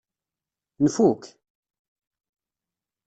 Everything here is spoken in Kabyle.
Nfuk?